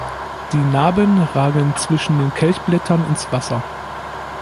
Die Narben ragen zwischen den Kelchblättern ins Wasser.